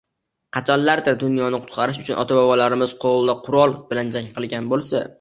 Qachonlardir dunyoni qutqarish uchun ota-bobolarimiz qo’lda qurol bilan jang qilgan bo’lsa